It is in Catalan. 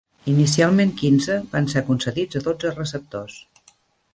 Inicialment quinze, van ser concedits a dotze receptors.